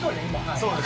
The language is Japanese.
そうです。